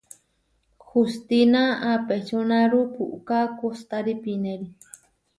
Hustína apečúnarúu puʼká kostári pinéri.